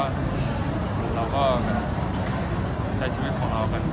เราก็แบบใช้ชีวิตของเรากัน